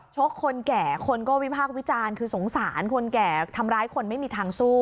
คนแก่คนก็วิพากษ์วิจารณ์คือสงสารคนแก่ทำร้ายคนไม่มีทางสู้